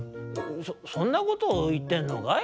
そそそんなことをいってんのかい？